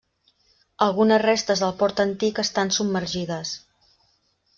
Algunes restes del port antic estan submergides.